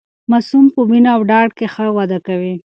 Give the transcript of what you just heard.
ماسوم په مینه او ډاډ کې ښه وده کوي.